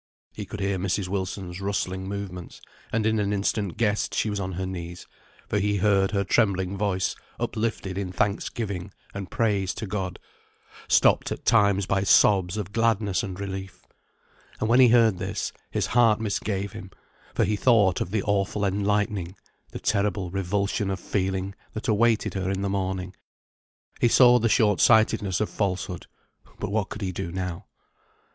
He could hear Mrs. Wilson's rustling movements, and in an instant guessed she was on her knees, for he heard her trembling voice uplifted in thanksgiving and praise to God, stopped at times by sobs of gladness and relief. And when he heard this, his heart misgave him; for he thought of the awful enlightening, the terrible revulsion of feeling that awaited her in the morning. He saw the short sightedness of falsehood; but what could he do now?